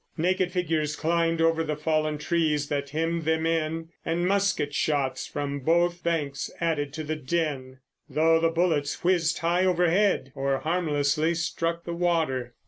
Naked figures climbed over the fallen trees that hemmed them in, and musket shots from both banks added to the din, though the bullets whizzed high overhead or harmlessly struck the water.